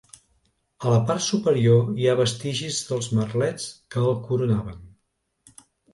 A la part superior hi ha vestigis dels merlets que el coronaven.